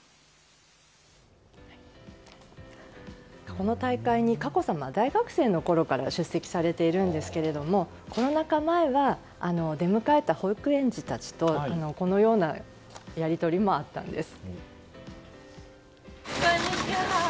この大会に、佳子さまは大学生のころから出席されているんですけどもコロナ禍前は出迎えた保育園児たちとこのようなやり取りもあったんです。